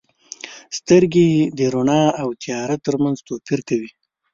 • سترګې د رڼا او تیاره ترمنځ توپیر کوي.